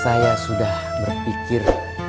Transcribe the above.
saya sudah berpikir